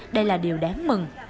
đây là điều đáng mừng